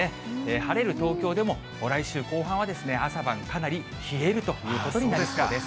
晴れる東京でも、来週後半は朝晩かなり冷えるということになりそうです。